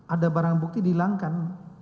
ada barang bukti dihilangkan